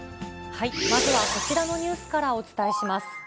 まずはこちらのニュースからお伝えします。